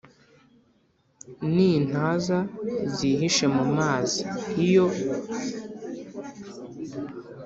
ni intaza zihishe mu mazi iyo